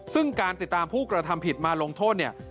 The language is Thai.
ซึ่งการติดตามผู้กระทำผิดมาลงโทษเนี่ย